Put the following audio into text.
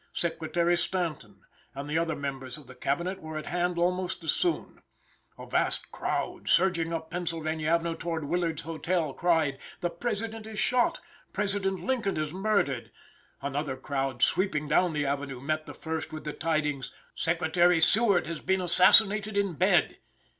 Secretary Stanton and the other members of the cabinet were at hand almost as soon. A vast crowd, surging up Pennsylvania avenue toward Willard's Hotel, cried, "The President is shot!" "President Lincoln is murdered." Another crowd sweeping down the avenue met the first with the tidings, "Secretary Seward has been assassinated in bed."